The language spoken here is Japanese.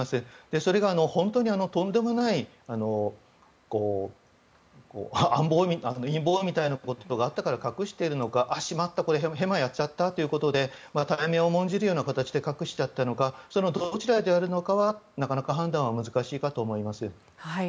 それが本当にとんでもない陰謀みたいなことがあったから隠しているのかしまったへまをやったということで隠したのかどちらであるのかなかなか判断は難しいかと思います。